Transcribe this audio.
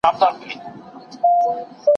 خاوند باید ښه ګذاره هېر نه کړي.